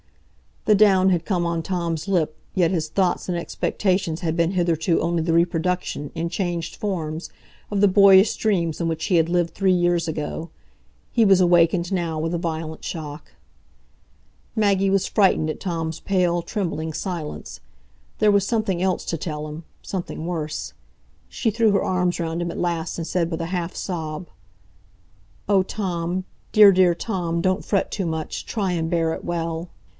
The down had come on Tom's lip, yet his thoughts and expectations had been hitherto only the reproduction, in changed forms, of the boyish dreams in which he had lived three years ago. He was awakened now with a violent shock. Maggie was frightened at Tom's pale, trembling silence. There was something else to tell him,—something worse. She threw her arms round him at last, and said, with a half sob: "Oh, Tom—dear, dear Tom, don't fret too much; try and bear it well."